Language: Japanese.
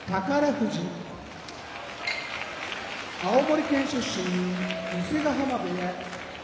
富士青森県出身伊勢ヶ濱部屋